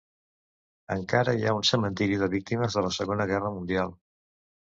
Encara ara hi ha un cementiri de víctimes de la Segona Guerra Mundial.